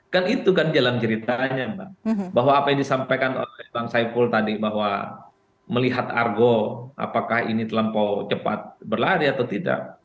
kan itu kan jalan ceritanya mbak bahwa apa yang disampaikan oleh bang saiful tadi bahwa melihat argo apakah ini terlampau cepat berlari atau tidak